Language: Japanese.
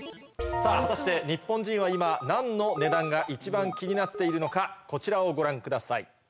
果たしてニッポン人は今何の値段が一番気になっているのかこちらをご覧ください。